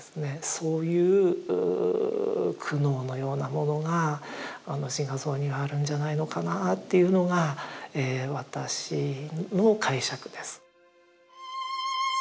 そういう苦悩のようなものがあの自画像にはあるんじゃないのかなっていうのが私の解釈です。